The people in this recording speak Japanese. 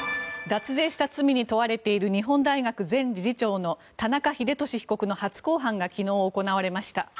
脱税した罪に問われている日本大学前理事長の田中英寿被告の初公判が昨日行われました。